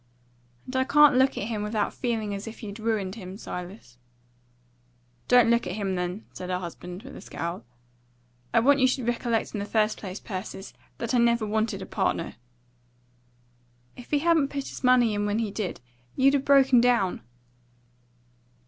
"And I can't look at him without feeling as if you'd ruined him, Silas." "Don't look at him, then," said her husband, with a scowl. "I want you should recollect in the first place, Persis, that I never wanted a partner." "If he hadn't put his money in when he did, you'd 'a' broken down."